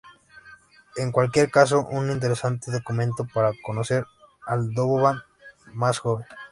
En cualquier caso, un interesante documento para conocer al Donovan más joven.